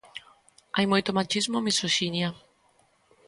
Hai moito machismo e misoxinia.